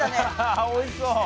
あおいしそう。